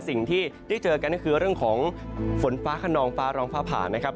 สิ่งที่ได้เจอกันก็คือเรื่องของฝนฟ้าขนองฟ้าร้องฟ้าผ่านะครับ